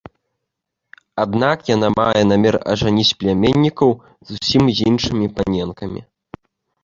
Аднак яна мае намер ажаніць пляменнікаў зусім з іншымі паненкамі.